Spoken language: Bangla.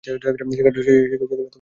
সেখানে মুনির নামের কেউ থাকে না!